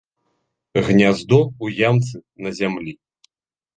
Гняздо ў ямцы на зямлі.